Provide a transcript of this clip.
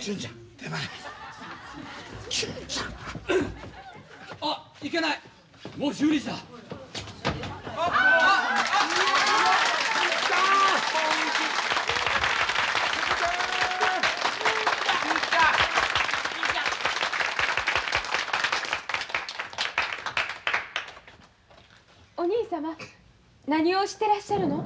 純ちゃん！お兄様何をしてらっしゃるの？